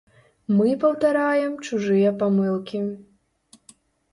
Мы паўтараем чужыя памылкі.